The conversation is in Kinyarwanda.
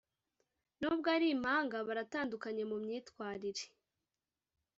nubwo ari impanga baratandukanye mu myitwarire